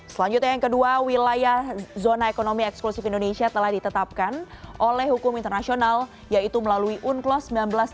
selanjutnya yang kedua wilayah zona ekonomi eksklusif indonesia telah ditetapkan oleh hukum internasional yaitu melalui unclos seribu sembilan ratus delapan puluh